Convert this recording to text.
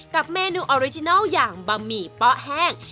กับเมนูออริจินัลอย่างบะหมี่เป๊ะแห้ง